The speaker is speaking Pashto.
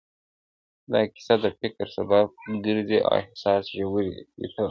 دا کيسه د فکر سبب ګرځي او احساس ژوروي تل,